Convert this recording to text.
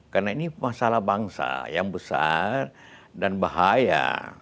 karena ini masalah bangsa yang besar dan bahaya